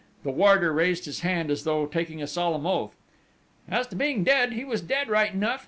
The warder raised his hand as though taking a solemn oath: "As to being dead, he was dead right enough!...